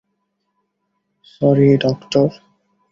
Sorry, doctor.